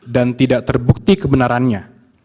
dan tidak terbukti kebenarannya